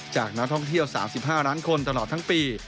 จากนักท่องเที่ยว๓๕ล้านคนตลอดทั้งปี